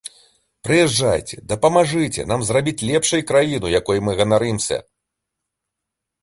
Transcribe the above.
Прыязджайце, дапамажыце нам зрабіць лепшай краіну, якой мы ганарымся!